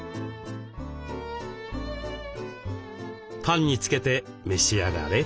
パンにつけて召し上がれ。